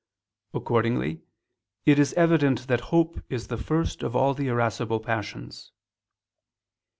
_ Accordingly, it is evident that hope is the first of all the irascible passions.